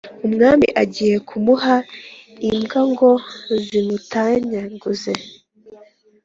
umwami agiye kumuha imbwa ngo zimutanyaguze,